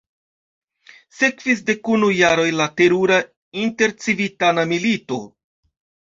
Sekvis dekunu jaroj da terura intercivitana milito.